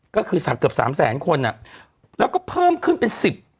ก็คือเกือบ๓แสนคนแล้วก็เพิ่มขึ้นเป็น๑๐๐๔